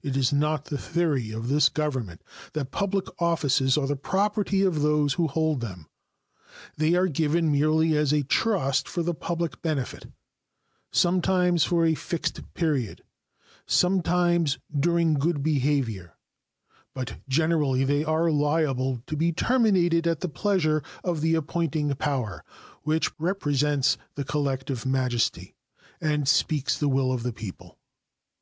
It is not the theory of this Government that public offices are the property of those who hold them. They are given merely as a trust for the public benefit, sometimes for a fixed period, sometimes during good behavior, but generally they are liable to be terminated at the pleasure of the appointing power, which represents the collective majesty and speaks the will of the people.